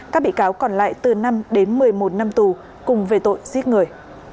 các bị cáo còn lại từ năm đến một mươi một năm tù cùng về tội giết người